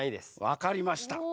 わかりました。